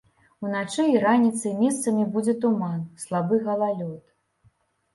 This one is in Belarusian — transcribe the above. Уначы і раніцай месцамі будзе туман, слабы галалёд.